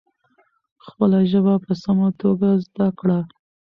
خپله ژبه په سمه توګه زده کړه.